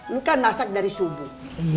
lu kan masak dari subuh